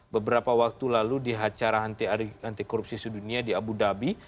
beberapa waktu lalu di acara anti korupsi sedunia di abu dhabi